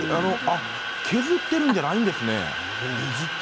削っているんじゃないんですね。